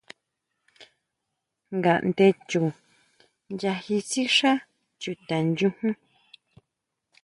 Ngandé chu nyají sixá chuta nchujun.